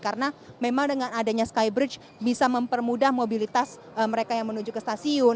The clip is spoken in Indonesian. karena memang dengan adanya skybridge bisa mempermudah mobilitas mereka yang menuju ke stasiun